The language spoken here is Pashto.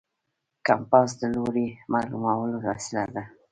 کمپاس د لوري معلومولو وسیله ده.